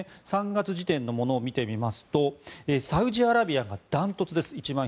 ３月時点のものを見てみますとサウジアラビアがダントツです。